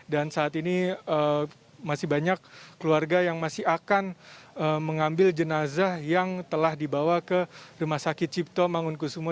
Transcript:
dan saat ini masih banyak keluarga yang masih akan mengambil jenazah yang telah dibawa ke rumah sakit cipto mangunkusumo